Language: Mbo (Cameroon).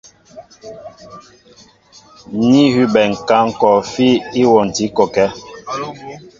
Ní hʉbɛ ŋ̀kǎŋ kɔɔfí íwôntǐ kɔkɛ́.